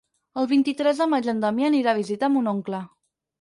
El vint-i-tres de maig en Damià anirà a visitar mon oncle.